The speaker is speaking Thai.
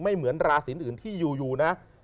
ไม่เหมือนราศีสิงอื่นที่อยู่นะ